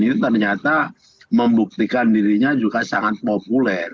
itu ternyata membuktikan dirinya juga sangat populer